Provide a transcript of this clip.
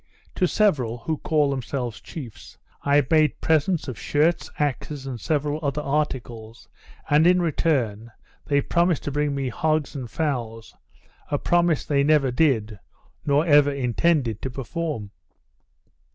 To several, who called themselves chiefs, I made presents of shirts, axes, and several other articles, and, in return, they promised to bring me hogs and fowls, a promise they never did, nor ever intended to perform.